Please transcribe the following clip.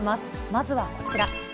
まずはこちら。